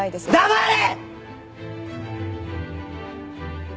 黙れ‼